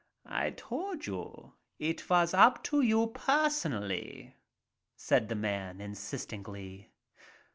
"I told you it vas up to you personally," said the man, insistently.